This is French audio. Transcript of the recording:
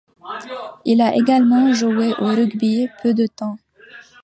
Il a également joué au rugby peu de temps.